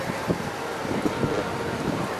মুহররম শব্দটি আরবি যার অর্থ পবিত্র, সম্মানিত।